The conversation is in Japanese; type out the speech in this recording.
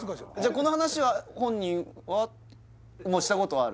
この話は本人はしたことはある？